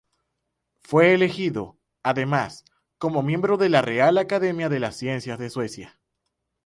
Fue elegido, además, como miembro de la Real Academia de las Ciencias de Suecia.